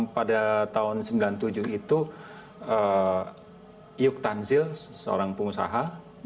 pada tahun sembilan puluh tujuh itu yuk tanzil seorang pengusaha